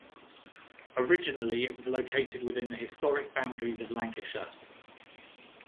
Originally, it was Located within the historic boundaries of Lancashire.